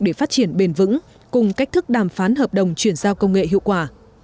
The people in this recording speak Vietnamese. để phát triển bền vững cùng cách thức đàm phán hợp đồng chuyển giao công nghệ hiệu quả